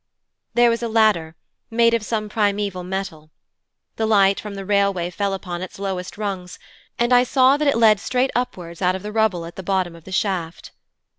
'There was a ladder, made of some primćval metal. The light from the railway fell upon its lowest rungs, and I saw that it led straight upwards out of the rubble at the bottom of the shaft.